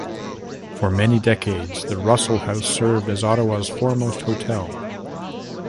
For many decades the Russell House served as Ottawa's foremost hotel.